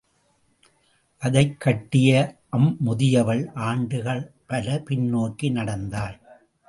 அதைக் கட்டிய அம்முதியவள் ஆண்டுகள் பல பின்னோக்கி நடந்தாள்.